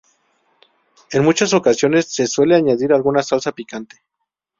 En muchas ocasiones se suele añadir alguna salsa picante.